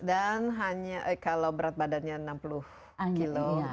dan hanya kalau berat badannya enam puluh kg di atas